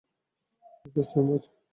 একটা চ্যাম্প আছে।